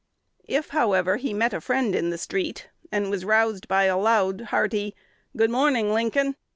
If, however, he met a friend in the street, and was roused by a loud, hearty "Good morning, Lincoln!"